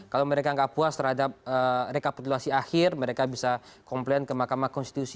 kalau mereka nggak puas terhadap rekapitulasi akhir mereka bisa komplain ke mahkamah konstitusi